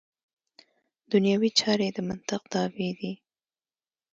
دنیوي چارې د منطق تابع دي.